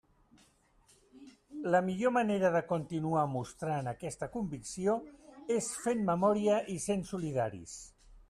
La millor manera de continuar mostrant aquesta convicció és fent memòria i sent solidaris.